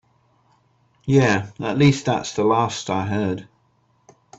Yeah, at least that's the last I heard.